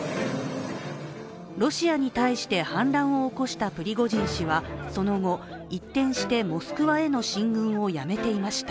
ロシアに対して反乱を起こしたプリゴジン氏はその後、一転してモスクワへの進軍をやめていました。